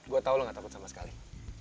gue tau lo gak takut sama sekali